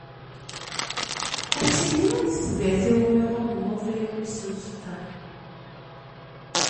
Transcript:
Ad tilim am tetbirt iwumi i ɣummen wafriwen-is s lfeṭṭa.